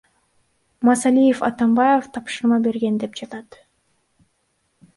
Масалиев Атамбаев тапшырма берген деп жатат.